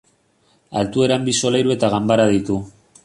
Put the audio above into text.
Altueran bi solairu eta ganbara ditu.